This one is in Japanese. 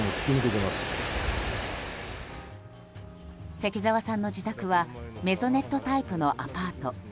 関澤さんの自宅はメゾネットタイプのアパート。